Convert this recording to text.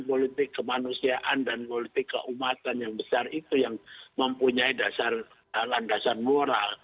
politik kemanusiaan dan politik keumatan yang besar itu yang mempunyai dasar landasan moral